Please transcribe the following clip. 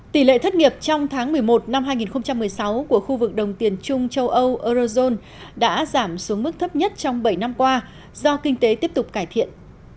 tỷ lệ thất nghiệp trong tháng một mươi một năm hai nghìn một mươi sáu của khu vực đồng tiền trung châu âu eurozone đã giảm xuống mức thấp nhất trong bảy năm qua do kinh tế tiếp tục cải thiện